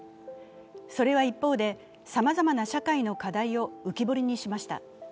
それは一方で、さまざまな社会の課題を浮き彫りにしました。